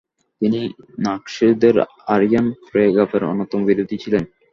তিনি নাৎসিদের আরিয়ান প্যারাগ্রাফের অন্যতম বিরোধী ছিলেন ।